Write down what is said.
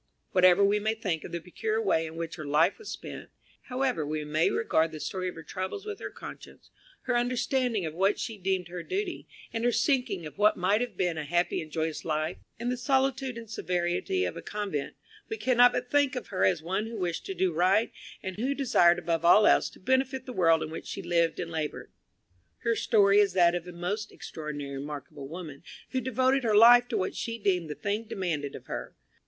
Whatever we may think of the peculiar way in which her life was spent; however we may regard the story of her troubles with her conscience, her understanding of what she deemed her duty, and her sinking of what might have been a happy and joyous life in the solitude and severity of a convent, we cannot but think of her as one who wished to do right, and who desired above all else to benefit the world in which she lived and labored. Her story is that of a most extraordinary and remarkable woman, who devoted her life to what she deemed the thing demanded of her.